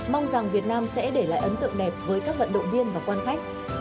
mong rằng việt nam sẽ để lại ấn tượng đẹp với các vận động viên và quan khách